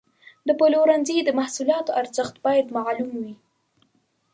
د پلورنځي د محصولاتو ارزښت باید معلوم وي.